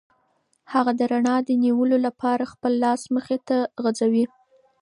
هغه د رڼا د نیولو لپاره خپل لاس مخې ته غځوي.